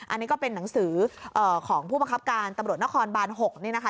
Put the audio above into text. อันนี้ก็เป็นหนังสือของผู้บังคับการตำรวจนครบาน๖นี่นะคะ